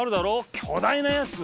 巨大なやつ！